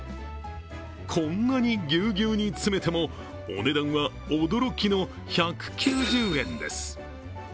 こんなにぎゅうぎゅうに詰めてもお値段は驚きの１９０円です。